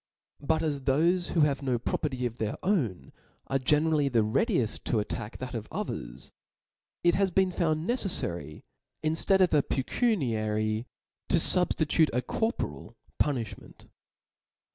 But as thofe who have no property of their own are generally the readied to attack that of others, . it has been found neceffary, inftead of a pecuniary, to fubftitute a corporal puniihment.